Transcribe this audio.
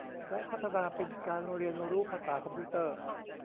และพัฒนาเป็นการเรียนรู้ภาษาคอมพิวเตอร์